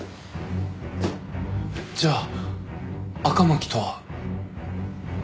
じゃあ赤巻とは。